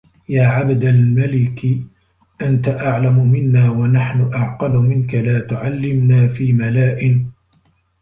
يَا عَبْدَ الْمَلِكِ أَنْتَ أَعْلَمُ مِنَّا وَنَحْنُ أَعْقَلُ مِنْك لَا تُعَلِّمْنَا فِي مَلَاءٍ